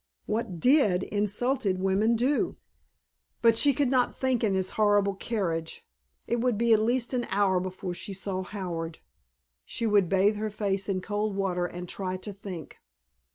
What did insulted women do? But she could not think in this horrible carriage. It would be at least an hour before she saw Howard. She would bathe her face in cold water and try to think.